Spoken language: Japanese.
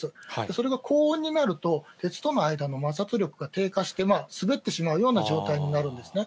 それが高温になると、鉄との間の摩擦力が低下して、滑ってしまうような状態になるんですね。